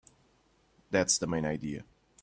That's the main idea.